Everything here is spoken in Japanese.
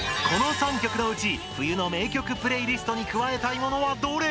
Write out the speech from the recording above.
この３曲のうち冬の名曲プレイリストに加えたいものはどれ？